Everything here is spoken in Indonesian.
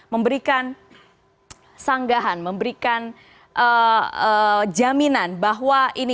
memberikan sanggahan memberikan jaminan bahwa ini